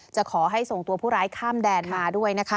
จะขอให้ส่งตัวผู้ร้ายข้ามแดนมาด้วยนะคะ